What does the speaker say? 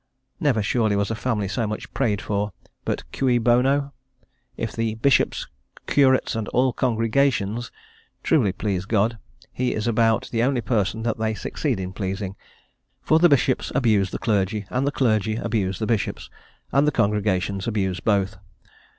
Never surely was a family so much prayed for, but cui bono? If the "Bishops, Curates, and all congregations" truly please God, he is about, the only person that they succeed in pleasing, for the Bishops abuse the clergy, and the clergy abuse the Bishops, and the congregations abuse both.